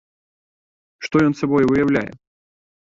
Што ён сабой уяўляе?